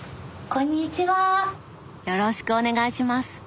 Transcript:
よろしくお願いします。